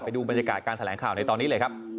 ดูบรรยากาศการแถลงข่าวในตอนนี้เลยครับ